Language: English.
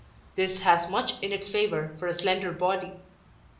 This has much in its favor for a slender body.